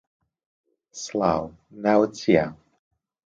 سڵاو، ناوت چییە؟